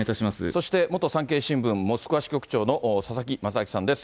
そして元産経新聞モスクワ支局長の佐々木正明さんです。